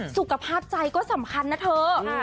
สุขภาพใจก็สำคัญนะเธอ